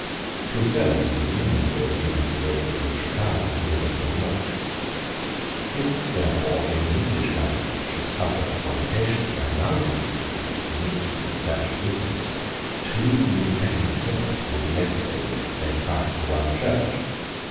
Two thirds of the new members given to great provincial towns were given to the north. If therefore any English government should suffer the Convocations, as now constituted, to meet for the despatch of business, two independent synods would be legislating at the same time for one Church.